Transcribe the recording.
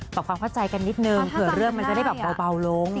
ความเข้าใจกันนิดนึงเผื่อเรื่องมันจะได้แบบเบาลง